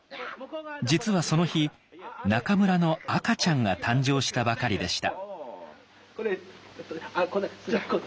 実はその日中村の赤ちゃんが誕生したばかりでした。